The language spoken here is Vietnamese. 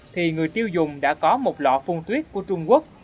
thì người tiêu dùng đã có một lọ cung tuyết của trung quốc